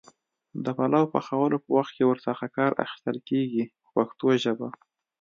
د پلو پخولو په وخت کې ور څخه کار اخیستل کېږي په پښتو ژبه.